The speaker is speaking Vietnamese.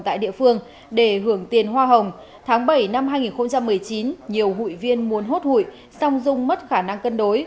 tại địa phương để hưởng tiền hoa hồng tháng bảy năm hai nghìn một mươi chín nhiều hủy viên muốn hốt hủy song dung mất khả năng cân đối